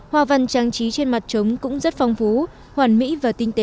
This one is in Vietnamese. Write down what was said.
hoa văn trang trí trên mặt trống cũng rất phong phú hoàn mỹ và tinh tế